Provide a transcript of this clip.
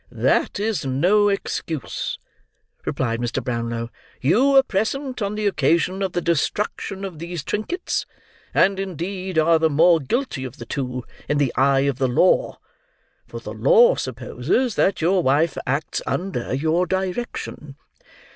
"That is no excuse," replied Mr. Brownlow. "You were present on the occasion of the destruction of these trinkets, and indeed are the more guilty of the two, in the eye of the law; for the law supposes that your wife acts under your direction."